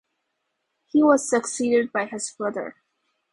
He was succeeded by his brother.